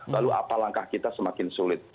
lalu apa langkah kita semakin sulit